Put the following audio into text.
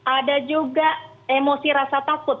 ada juga emosi rasa takut